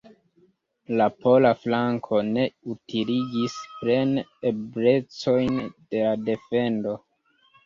La pola flanko ne utiligis plene eblecojn de la defendo.